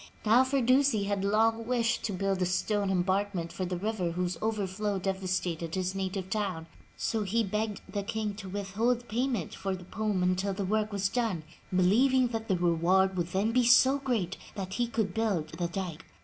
Now, Firdusi had long wished to build a stone embankment for the river whose over flow devastated his native town, so he begged the King to with hold payment for the poem until the work was done, believing that the reward would then be so great that he could build the dike.